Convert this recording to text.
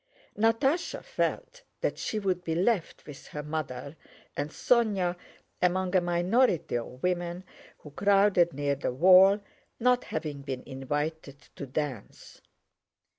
Natásha felt that she would be left with her mother and Sónya among a minority of women who crowded near the wall, not having been invited to dance.